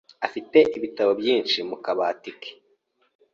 Afite ibitabo byinshi ku kabati ke.